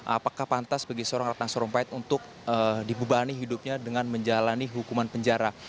apakah pantas bagi seorang ratna sarumpait untuk dibebani hidupnya dengan menjalani hukuman penjara